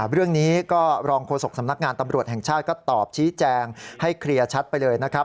เรื่องนี้ก็รองโฆษกสำนักงานตำรวจแห่งชาติก็ตอบชี้แจงให้เคลียร์ชัดไปเลยนะครับ